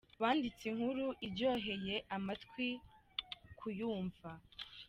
Banditse inkuri iryoheye amatwi ku yumva.